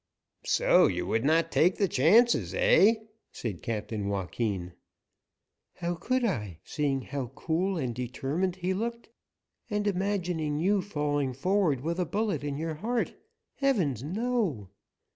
"So, you would not take the chances, eh?" said Captain Joaquin. "How could I, seeing how cool and determined he looked, and imagining you falling forward with a bullet in your heart Heavens, no!"